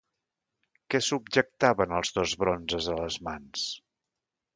Què subjectaven els dos bronzes a les mans?